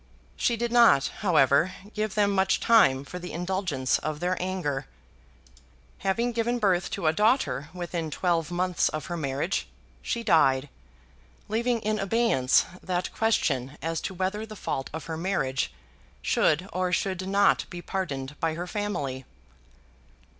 She did not, however, give them much time for the indulgence of their anger. Having given birth to a daughter within twelve months of her marriage, she died, leaving in abeyance that question as to whether the fault of her marriage should or should not be pardoned by her family.